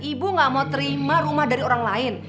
ibu gak mau terima rumah dari orang lain